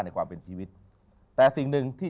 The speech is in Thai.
ในความเป็นชีวิตแต่สิ่งหนึ่งที่